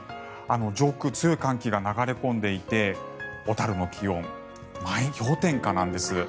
上空、強い寒気が流れ込んでいて小樽の気温、氷点下なんです。